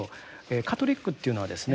カトリックというのはですね